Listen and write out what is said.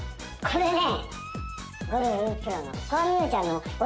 これね。